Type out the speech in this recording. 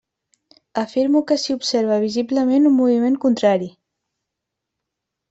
Afirmo que s'hi observa visiblement un moviment contrari.